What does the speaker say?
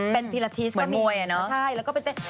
เป็นพีลฮิลาทิสก์